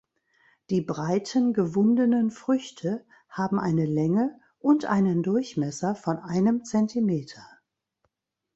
Die breiten, gewundenen Früchte haben eine Länge und einen Durchmesser von einem Zentimeter.